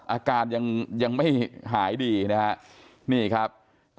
อาการยังไม่หายดีนี่ครับ